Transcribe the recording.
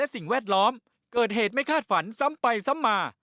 สิ่งแวดล้อมเกิดเหตุไม่คาดฝันซ้ำไปซ้ำมา